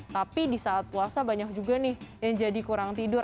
tapi di saat puasa banyak juga nih yang jadi kurang tidur